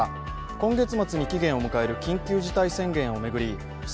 今月末に期限を迎える緊急事態宣言を巡り菅